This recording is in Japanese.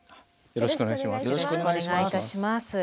よろしくお願いします。